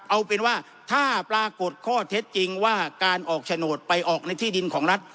เอาเป็นว่าถ้าปรากฏข้อเท็จจริงว่าการออกโฉนดไปออกในที่ดินของรัฐ